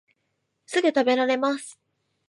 すぐたべられます